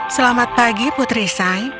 selamat pagi putri sai